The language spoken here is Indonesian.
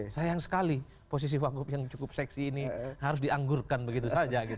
sayang sekali posisi wagub yang cukup seksi ini harus dianggurkan begitu saja